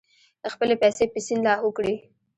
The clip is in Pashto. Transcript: خپلې پیسې په سیند لاهو کړې.